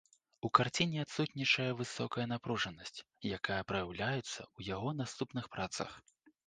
У карціне адсутнічае высокая напружанасць, якая праяўляецца ў яго наступных працах.